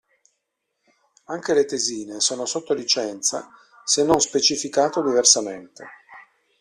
Anche le tesine sono sotto licenza se non specificato diversamente.